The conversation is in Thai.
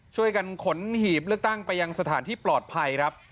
ช่วยกันขนหีบเลือกตั้งไปยังสถานที่ปลอดภัยครับ